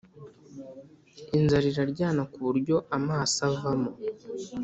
inzara iraryana kuburyo amaso avamo